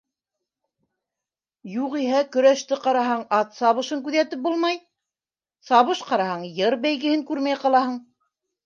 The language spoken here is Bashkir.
Юғиһә, көрәште ҡараһаң, ат сабышын күҙәтеп булмай, сабыш ҡараһаң, йыр бәйгеһен күрмәй ҡалаһың.